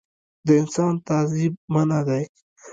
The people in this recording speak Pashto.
د انسان تعذیب منعه دی.